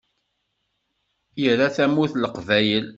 Ira Tamurt n Leqbayel.